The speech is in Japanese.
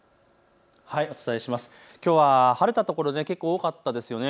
きょうは晴れた所結構多かったですね。